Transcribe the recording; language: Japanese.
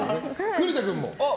栗田君も。